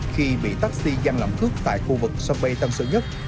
khi bị taxi gian lận cước tại khu vực sân bay tân sơn nhất